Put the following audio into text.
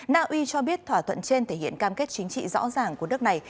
naui cho biết thỏa thuận trên thể hiện cam kết chính trị rõ ràng của đất này